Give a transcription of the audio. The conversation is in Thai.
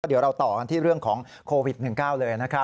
เดี๋ยวเราต่อกันที่เรื่องของโควิด๑๙เลยนะครับ